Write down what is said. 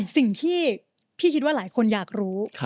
สิ่งที่พี่คิดว่าหลายคนอยากรู้